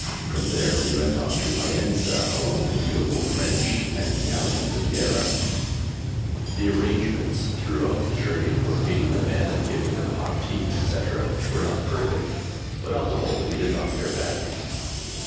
From here we went on to Faenza, along the beautiful French and Italian Riviera. [Illustration: The REV. L. A. FALK] The arrangements throughout the journey for feeding the men and giving them hot tea, etc., were not perfect, but on the whole we did not fare badly.